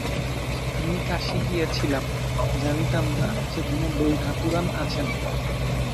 আমি কাশী গিয়াছিলাম, জানিতাম না, সেখানে বউঠাকরুণ আছেন।